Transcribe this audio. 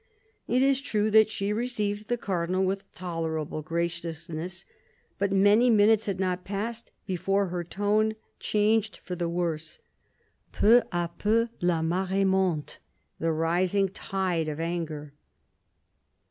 It is true that she received the Cardinal with tolerable graciousness, but many minutes had not passed before her tone changed for the worse. " Peu a peu, la mar^e monte ": the rising tide of anger.